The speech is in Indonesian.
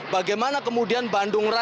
bagaimana kemudian bandung raya